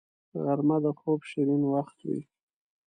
غرمه د خوب شیرین وخت وي